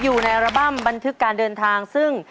อยู่ในอัลบั้มบันทึกการเดินทางซึ่ง